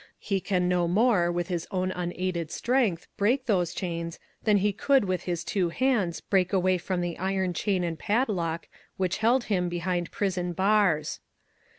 He can no more, with his own unaided strength, break those chains than he could with his two hands break away from the iron chain and padlock which held him behind prison bars.